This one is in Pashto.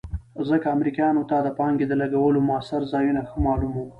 ځکه امریکایانو ته د پانګې د لګولو مؤثر ځایونه ښه معلوم وو.